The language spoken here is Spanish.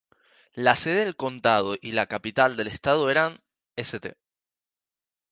La sede del condado y la capital del estado eran St.